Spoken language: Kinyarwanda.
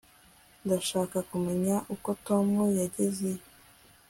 ndashaka kumenya uko tom yagezeyo